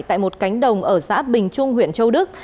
tại một cánh đồng ở xã bình trung huyện châu đức